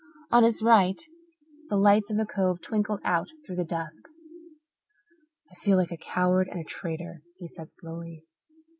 On his right the lights of the Cove twinkled out through the dusk. "I feel like a coward and a traitor," he said slowly.